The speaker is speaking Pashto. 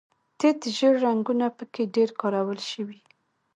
تت ژیړ رنګونه په کې ډېر کارول شوي.